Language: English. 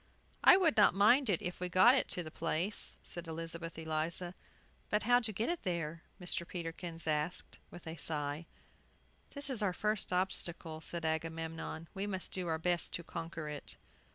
"We would not mind if we got it to the place," said Elizabeth Eliza. "But how to get it there?" Mr. Peterkin asked, with a sigh. "This is our first obstacle," said Agamemnon; "we must do our best to conquer it."